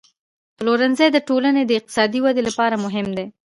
پلورنځی د ټولنې د اقتصادي ودې لپاره مهم دی.